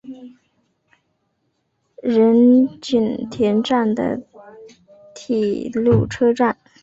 仁井田站的铁路车站。